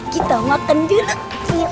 kita makan dulu